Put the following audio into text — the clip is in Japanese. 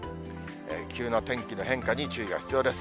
急な天気の変化に注意が必要です。